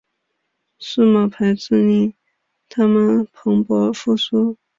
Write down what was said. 数码排字令它们蓬勃复苏。